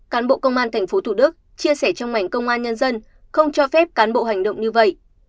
cán bộ công an tp thủ đức chia sẻ trong ảnh công an nhân dân không cho phép cán bộ hành động như vậy